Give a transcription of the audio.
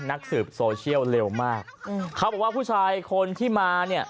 นักสืบโซเชียลเร็วมากอืมเขาบอกว่าผู้ชายคนที่มาเนี่ย